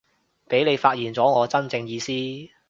畀你發現咗我真正意思